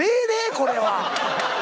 これは。